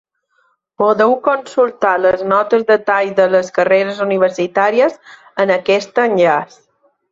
Podeu consultar les notes de tall de les carreres universitàries en aquest enllaç.